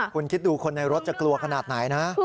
คุณคิดดูคนในรถจะกลัวขนาดไหนนะ